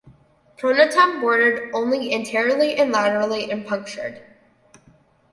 Pronotum bordered only anteriorly and laterally and punctured.